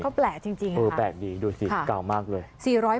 เขาแปลกจริงเออแปลกดีดูสิเก่ามากเลย